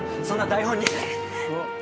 そんな台本に。